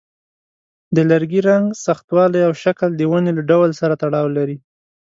د لرګي رنګ، سختوالی، او شکل د ونې له ډول سره تړاو لري.